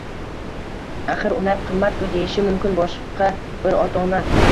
Axir ular qimmat-ku!” – deyishi mumkin boshqa bir ota-ona.